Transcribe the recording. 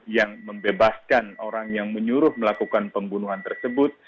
yang membebaskan orang yang menyuruh melakukan pembunuhan tersebut